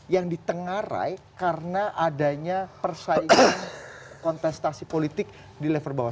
yang ditengarai karena adanya persaingan kontestasi politik di level bawah